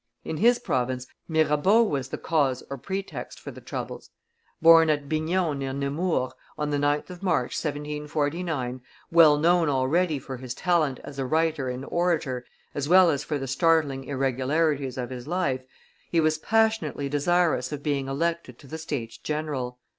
In his province, Mirabeau was the cause or pretext for the troubles. Born at Bignon, near Nemours, on the 9th of March, 1749, well known already for his talent as a writer and orator as well as for the startling irregularities of his life, he was passionately desirous of being elected to the States general.